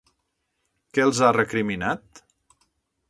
Què els ha recriminat?